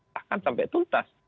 bahkan sampai tuntas